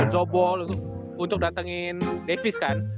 ben jobol untuk datengin davis kan